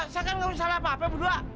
saya kan gak usah lapa apa berdua